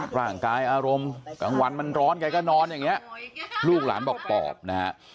ร่างกายอารมณ์กลางวันมันร้อนแกก็นอนอย่างนี้ลูกหลานบอกปอบนะฮะ